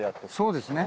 そうですね。